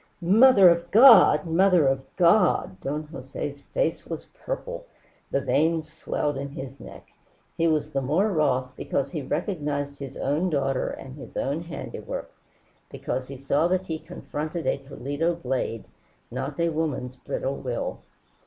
"Mother of God! Mother of God!" Don Jose's face was purple. The veins swelled in his neck. He was the more wroth because he recognized his own daughter and his own handiwork, because he saw that he confronted a Toledo blade, not a woman's brittle will.